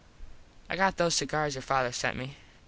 I got those cigars your father sent me.